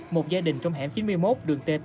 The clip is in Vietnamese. một gia đình trong hẻm chín mươi một đường t tám